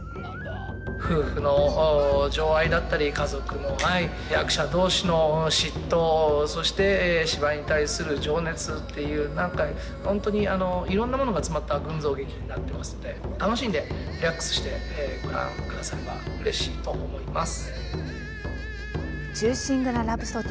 夫婦の情愛だったり家族の愛、役者どうしの嫉妬そして芝居に対する情熱という本当にいろんなものが詰まった群像劇になっていますので楽しんでリラックスしてご覧くださればうれしいと思います。